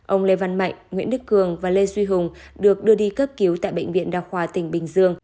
ông lê văn mạnh nguyễn đức cường và lê duy hùng được đưa đi cấp cứu tại bệnh viện đa khoa tỉnh bình dương